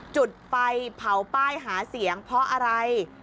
จุดไฟเผาป้ายหาเสียงเพราะอะไร